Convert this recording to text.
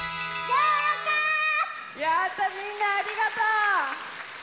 やったみんなありがとう！